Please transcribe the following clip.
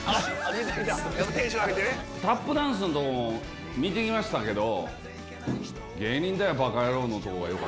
タップダンスのとこも見てきましたけど。